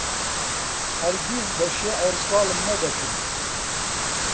هەرگیز بە شیعر سواڵم نەدەکرد